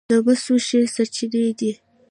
د مسو ښې سرچینې دي.